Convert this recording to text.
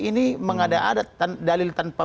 ini mengada adat dalil tanpa